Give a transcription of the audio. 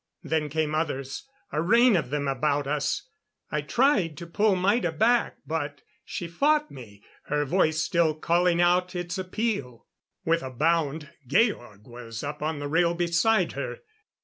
Then came others a rain of them about us. I tried to pull Maida back, but she fought me, her voice still calling out its appeal. With a bound, Georg was up on the rail beside her.